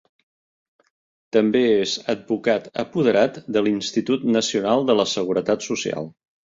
També és advocat apoderat de l'Institut Nacional de la Seguretat Social.